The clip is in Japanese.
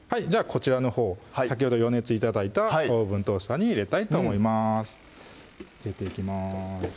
こちらのほう先ほど予熱頂いたオーブントースターに入れたいと思います入れていきます